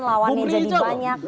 lawan jadi banyak